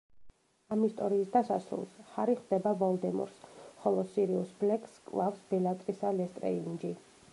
ამ ისტორიის დასასრულს ჰარი ხვდება ვოლდემორს, ხოლო სირიუს ბლეკს კლავს ბელატრისა ლესტრეინჯი.